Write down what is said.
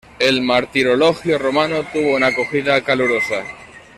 El Martirologio Romano tuvo una acogida calurosa.